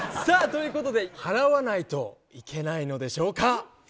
さあということで払わないといけないのでしょうか？